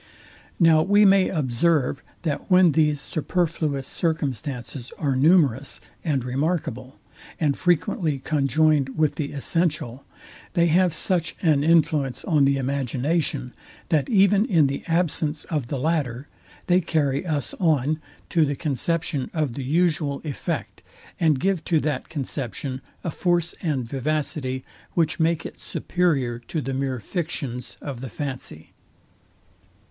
Now we may observe, that when these superfluous circumstances are numerous, and remarkable, and frequently conjoined with the essential, they have such an influence on the imagination, that even in the absence of the latter they carry us on to the conception of the usual effect, and give to that conception a force and vivacity, which make it superior to the mere fictions of the fancy.